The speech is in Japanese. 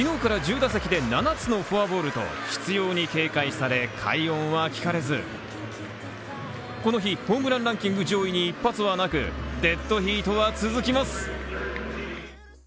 昨日から１０打席で七つのフォアボールと執拗に警戒され、快音は聞かれず、この日、ホームランランキング上位に一発はなく、デッドヒートは続きます。